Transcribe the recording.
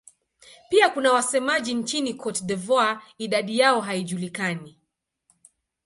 Pia kuna wasemaji nchini Cote d'Ivoire; idadi yao haijulikani.